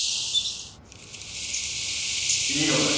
いいのかよ